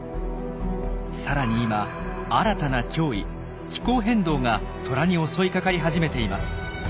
さらに今新たな脅威「気候変動」がトラに襲いかかり始めています。